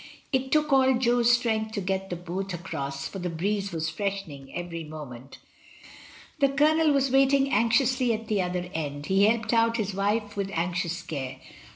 It took all Jo's strength to get the boat across, for the breeze was freshening every moment. The Colonel was waiting anxiously at the other end. He helped out his wife with anxious care.